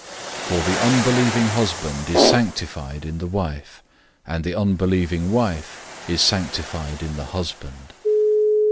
007:014 For the unbelieving husband is sanctified in the wife, and the unbelieving wife is sanctified in the husband.